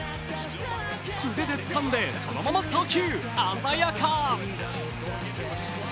素手でつかんでそのまま送球、鮮やか。